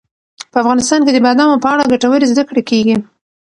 په افغانستان کې د بادامو په اړه ګټورې زده کړې کېږي.